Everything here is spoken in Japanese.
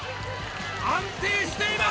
安定しています！